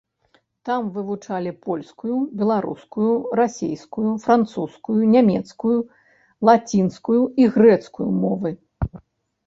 Там вывучалі польскую, беларускую, расейскую, французскую, нямецкую, лацінскую і грэцкую мовы.